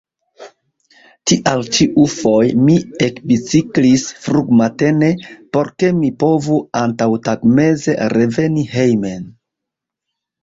Tial ĉiufoje mi ekbiciklis frumatene, por ke mi povu antaŭtagmeze reveni hejmen.